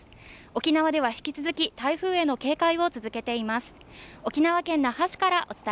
沖縄では引き続き台風への警戒を続けています。